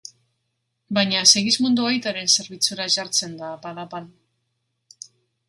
Baina Segismundo aitaren zerbitzura jartzen da apal-apal.